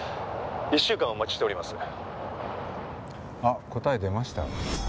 「１週間お待ちしております」あっ答え出ました。